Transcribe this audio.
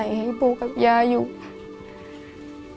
พี่น้องของหนูก็ช่วยย่าทำงานค่ะ